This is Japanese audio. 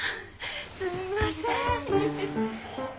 すみません。